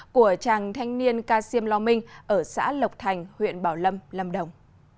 của chàng thanh niên ca siêm lo minh ở xã lộc thành huyện bảo lâm lâm đồng